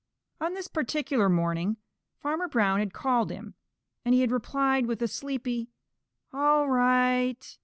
On this particular morning Farmer Brown had called him, and he had replied with a sleepy "All right."